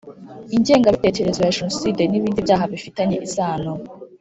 Ingengabitekerezo ya jenoside n ibindi byaha bifitanye isano